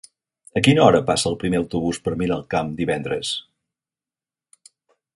A quina hora passa el primer autobús per Miralcamp divendres?